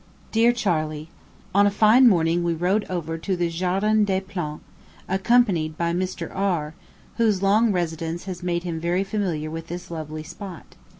DEAR CHARLEY: On a fine morning we rode over to the Jardin des Plantes, accompanied by Mr. R , whose long residence has made him very familiar with this lovely spot.